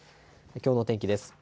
きょうの天気です。